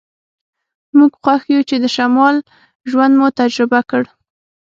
موږ خوښ یو چې د شمال ژوند مو تجربه کړ